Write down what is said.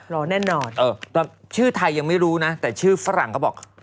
รอแน่นอนชื่อไทยยังไม่รู้นะแต่ชื่อฝรั่งเขาบอก